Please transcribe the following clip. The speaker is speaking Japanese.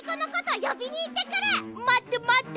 まってまって！